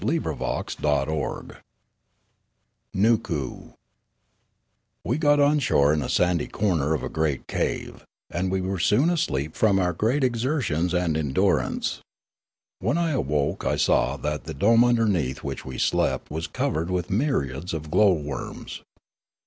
CHAPTER XXIX NOOKOO WE got on shore in a sandy corner of a great cave; and we were soon asleep from our great exer tions and endurance. When I awoke, I saw that the dome underneath which we slept was covered with myriads of glowworms.